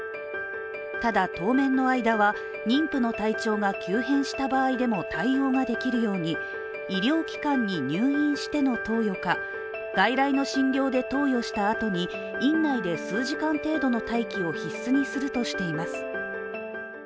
ただ当面の間は、妊婦の体調が急変した場合でも対応ができるように医療機関に入院しての投与か外来の診療で投与したあとに院内で数時間程度の待機を必須にするとしています。